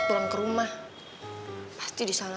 sebelum ayo mem pistol